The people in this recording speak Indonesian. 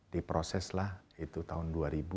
diproseslah itu tahun